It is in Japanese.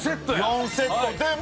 ４セットでも。